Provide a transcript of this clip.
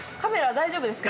大丈夫ですよ。